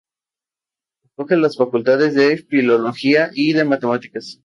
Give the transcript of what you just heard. Acoge las facultades de Filología y de Matemáticas.